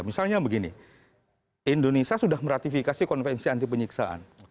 misalnya begini indonesia sudah meratifikasi konvensia antipenyiksaan